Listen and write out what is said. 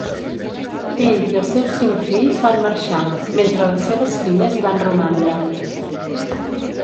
Ell i els seus cinc fills van marxar, mentre les seves filles hi van romandre.